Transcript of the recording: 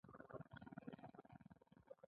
د هر ډول پېښې راپور سمدستي ورکړئ.